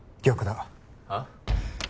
逆だはっ？